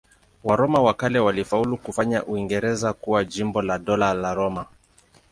Waroma wa kale walifaulu kufanya Uingereza kuwa jimbo la Dola la Roma.